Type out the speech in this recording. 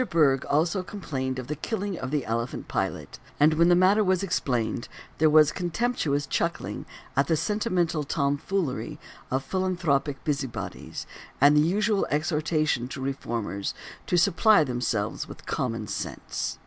Bergh also complained of the killing of the elephant Pilate, and when the matter was explained there was contemptuous chuckling at the sentimental tomfoolery of philanthropic busybodies, and the usual exhortation to reformers to supply themselves with common sense.